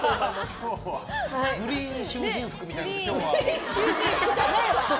グリーン囚人服みたいな。